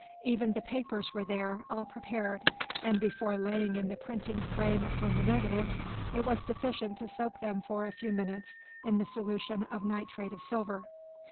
Even the papers were there, all prepared, and before laying in the printing frame upon the negatives, it was sufficient to soak them for a few minutes in the solution of nitrate of silver.